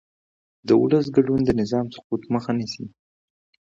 د ولس ګډون د نظام سقوط مخه نیسي